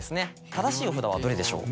正しいお札はどれでしょう？